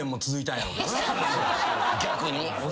逆に？